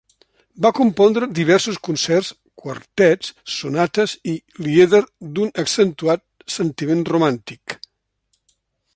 Va compondre diversos concerts Quartets, Sonates i lieder d'un accentuat sentiment romàntic.